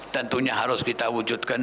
tentunya harus kita wujudkan